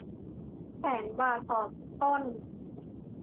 แสนบาทต่อต้น